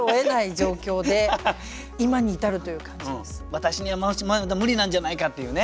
私には無理なんじゃないかっていうね。